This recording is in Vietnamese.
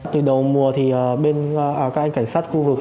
từ đầu mùa thì bên các anh cảnh sát khu vực